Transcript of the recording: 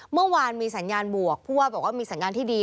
เมื่อวานมีสัญญาณบวกผู้ว่าบอกว่ามีสัญญาณที่ดี